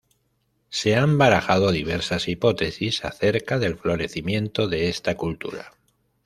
Se han barajado diversas hipótesis acerca del florecimiento de esta cultura.